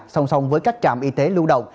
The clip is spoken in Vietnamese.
song song với các trạm y tế lưu động